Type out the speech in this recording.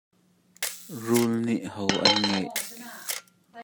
Rul nih ho an ngeih.